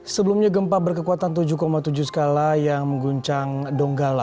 sebelumnya gempa berkekuatan tujuh tujuh skala yang mengguncang donggala